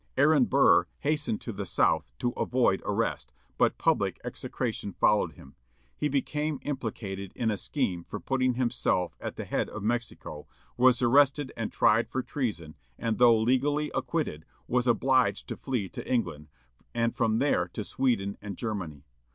Aaron Burr hastened to the South, to avoid arrest; but public execration followed him. He became implicated in a scheme for putting himself at the head of Mexico, was arrested and tried for treason, and, though legally acquitted, was obliged to flee to England, and from there to Sweden and Germany.